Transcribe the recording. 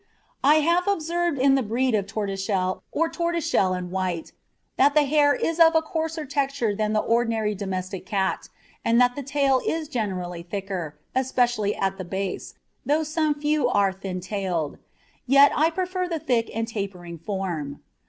I have observed in the breed of tortoiseshell or tortoise shell and white that the hair is of a coarser texture than the ordinary domestic cat, and that the tail is generally thicker, especially at the base, though some few are thin tailed; yet I prefer the thick and tapering form.